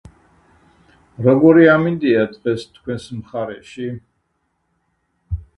როგორი ამინდია დღეს თქვენს მხარეში?